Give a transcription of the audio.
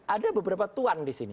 ada beberapa tuan di sini